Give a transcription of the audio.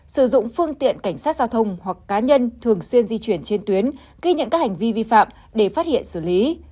sử dụng phương tiện cảnh sát giao thông hoặc cá nhân thường xuyên di chuyển trên tuyến ghi nhận các hành vi vi phạm để phát hiện xử lý